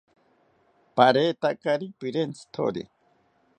Paretakari pirentzithori